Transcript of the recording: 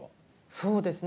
そうですね。